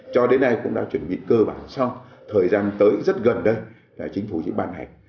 cho đến nay cũng đã chuẩn bị cơ bản xong thời gian tới rất gần đây là chính phủ chỉ ban hành